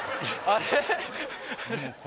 あれ？